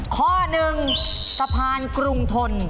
ข้อหนึ่งสะพานกรุงทน